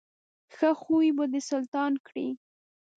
ښه خوی به دې سلطان کړي.